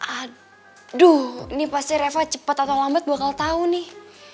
aduh nih pasti reva cepet atau lambat bakal tau nih